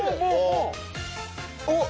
おっ！